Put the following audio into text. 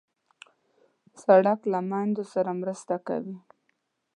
سړک له میندو سره مرسته کوي.